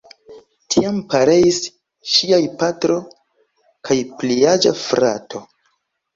Tiam pereis ŝiaj patro kaj pliaĝa frato.